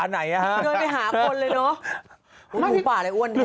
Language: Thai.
หมูป่าอะไรอ่อนแท้